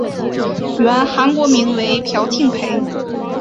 原韩国名为朴庆培。